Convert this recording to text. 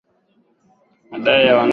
madai ya wamisri haya hai si ya muda